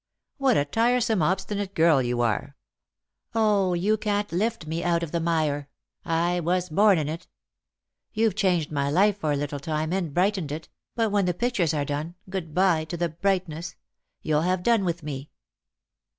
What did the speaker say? " What a tiresome obstinate girl you are !"" 0, you can't lift me out of the mire ; I was born in it. You've changed my life for a little time, and brightened it ; but when the pictures are done, good bye to the brightness. You'll have done with me."